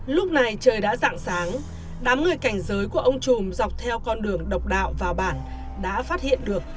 lúc này trời đã dạng sáng đám người cảnh giới của ông trùm dọc theo con đường độc đạo vào bản đã phát hiện được